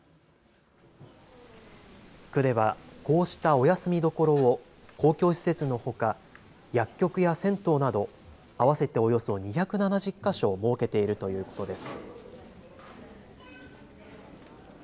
区ではこうしたお休み処を公共施設のほか薬局や銭湯など合わせておよそ２７０か所、設けているということです。